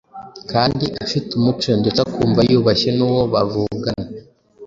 kandi afite umuco ndetse ukumva yubashye n’uwo bavugana.